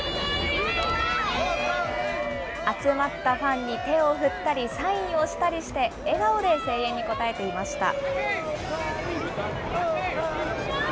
集まったファンに手を振ったり、サインをしたりして、笑顔で声援に応えていました。